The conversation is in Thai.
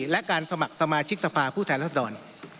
และการสมัครสมาชิกสภาผู้แทนรัศดร